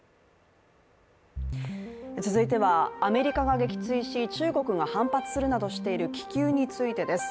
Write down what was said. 続いてはアメリカが撃墜し中国が反発するなどしている気球についてです。